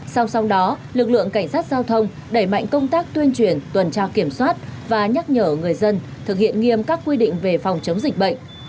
sau song song đó lực lượng cảnh sát giao thông đẩy mạnh công tác tuyên truyền tuần tra kiểm soát và nhắc nhở người dân thực hiện nghiêm các quy định về phòng chống dịch bệnh